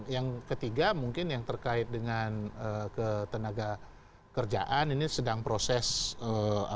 ya kamu yang ketiga mungkin yang terkait dengan penaga kerjaan ini sedang proses mendiskusikan